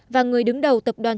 và người đứng đầu tập đoàn